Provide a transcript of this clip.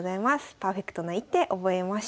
パーフェクトな一手覚えましょう。